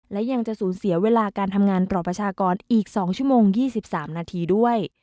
และยังจะสูญเสียเวลาการทำงานต่อประชากรอีก๒ชั่วโมง๒๓นาทีด้วย